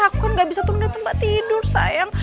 aku kan gak bisa turun dari tempat tidur sayang